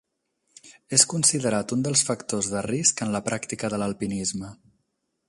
És considerat un dels factors de risc en la pràctica de l'alpinisme.